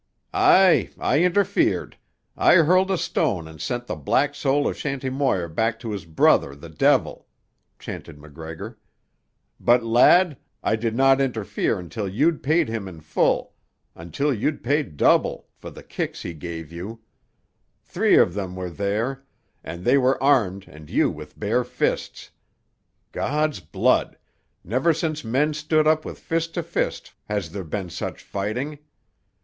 "Aye! I interfered. I hurled a stone and sent the black soul of Shanty Moir back to his brother the devil!" chanted MacGregor. "But, lad, I did not interfere until you'd paid him in full—until you'd paid double—for the kick he gave you. Three of them there were, and they were armed and you with bare fists! God's blood! Never since men stood up with fist to fist has there been such fighting.